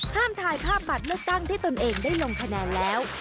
ถ่ายภาพบัตรเลือกตั้งที่ตนเองได้ลงคะแนนแล้ว